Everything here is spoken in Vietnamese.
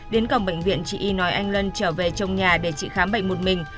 đến cổng bệnh viện chị y nói anh lân trở về trong nhà để chị khám bệnh một mình